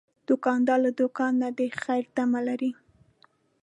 دوکاندار له دوکان نه د خیر تمه لري.